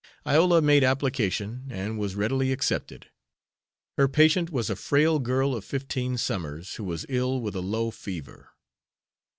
Iola made application, and was readily accepted. Her patient was a frail girl of fifteen summers, who was ill with a low fever.